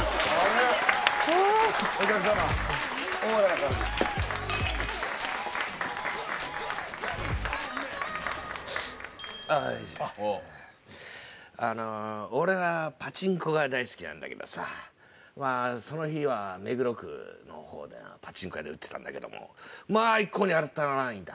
はいあの俺はパチンコが大好きなんだけどさその日は目黒区の方でパチンコ屋で打ってたんだけどもまあ一向に当たらないんだ